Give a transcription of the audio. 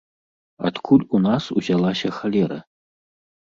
Адкуль у нас узялася халера?